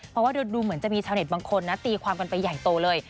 เพราะว่าดูเหมือนจะมีชาวเน็ตบางคนนะตีความกันไปใหญ่โตเลย